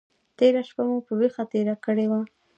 تېره شپه مو په ویښه تېره کړې وه.